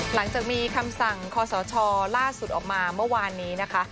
หลังจากมีคำสั่งคอสชล่าสุดออกมาเมื่อวานนี้นะคะ